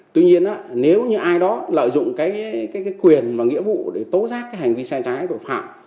tuy nhiên nếu như ai đó lợi dụng cái quyền và nghĩa vụ để tố giác cái hành vi sai trái tội phạm